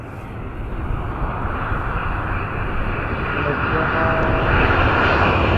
Everyone blames Mithai.